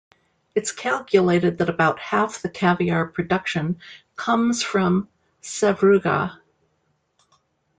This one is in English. It's calculated that about half the caviar production comes from Sevruga.